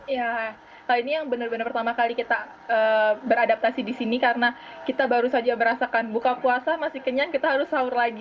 ya kali ini yang benar benar pertama kali kita beradaptasi di sini karena kita baru saja merasakan buka puasa masih kenyang kita harus sahur lagi